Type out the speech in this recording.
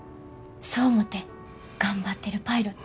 そう思って頑張ってるパイロット。